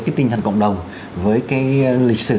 cái tinh thần cộng đồng với cái lịch sử